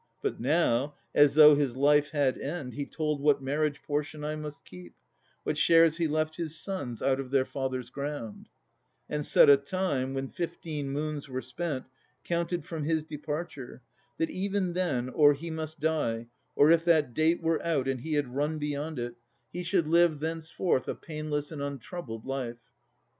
But now, as though his life had end, he told What marriage portion I must keep, what shares He left his sons out of their father's ground: And set a time, when fifteen moons were spent, Counted from his departure, that even then Or he must die, or if that date were out And he had run beyond it, he should live Thenceforth a painless and untroubled life.